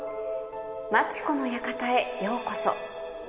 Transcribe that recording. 真知子の館へようこそ。